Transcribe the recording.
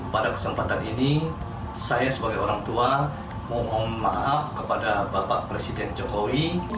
pada kesempatan ini saya sebagai orang tua mohon maaf kepada bapak presiden jokowi